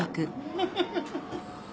フフフフ。